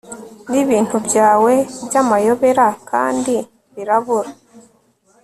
Nibintu byawe byamayobera kandi birabura